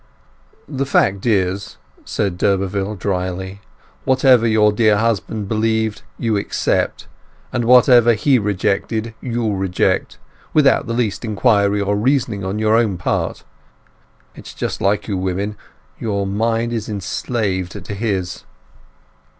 "The fact is," said d'Urberville drily, "whatever your dear husband believed you accept, and whatever he rejected you reject, without the least inquiry or reasoning on your own part. That's just like you women. Your mind is enslaved to his."